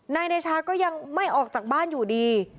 นายเดชาก็ยังไม่ออกจากบ้านอยู่ดี